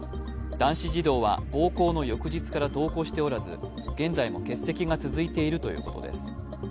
男子児童は暴行の翌日から登校しておらず、現在も欠席が続いているということです